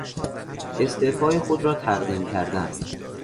استعفای خود را تقدیم کردن